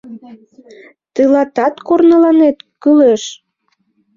— Тылатат корныланет кӱлеш.